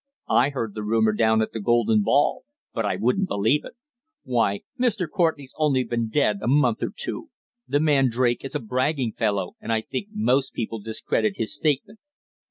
I heard the rumour down at the Golden Ball, but I wouldn't believe it. Why, Mr. Courtenay's only been dead a month or two. The man Drake is a bragging fellow, and I think most people discredit his statement."